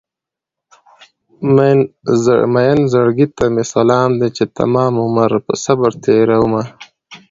مين زړګي ته مې سلام دی چې تمامي عمر په صبر تېرومه